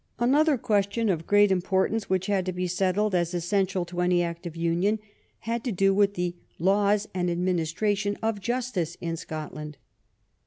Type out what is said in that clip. Another question of great importance which had to be settled as essential to any act of union had to do with the laws and administration of justice in Scotland.